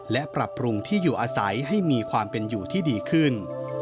และปรับปรุงที่อยู่อาศัยให้มีความเป็นอยู่ที่ดีขึ้น